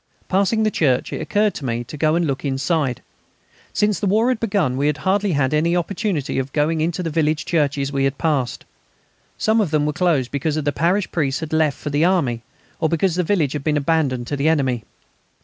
Passing the church, it occurred to me to go and look inside. Since the war had begun we had hardly had any opportunity of going into the village churches we had passed. Some of them were closed because the parish priests had left for the army, or because the village had been abandoned to the enemy.